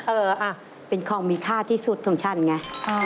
เออเป็นของมีค่าที่สุดของฉันไง